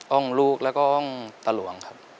้องลูกแล้วก็อ้องตะหลวงครับ